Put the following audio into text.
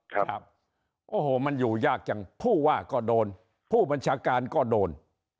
ครับโอ้โหมันอยู่ยากจังผู้ว่าก็โดนผู้บัญชาการก็โดน